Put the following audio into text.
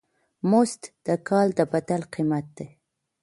مزد د کار د بدیل قیمت دی.